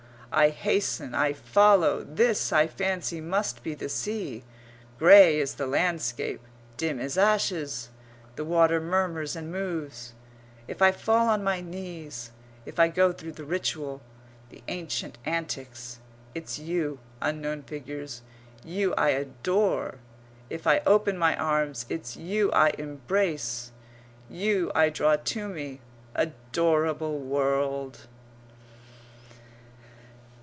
I hasten, I follow. This, I fancy, must be the sea. Grey is the landscape; dim as ashes; the water murmurs and moves. If I fall on my knees, if I go through the ritual, the ancient antics, it's you, unknown figures, you I adore; if I open my arms, it's you I embrace, you I draw to me adorable world!